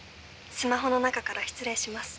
スマホの中から失礼します。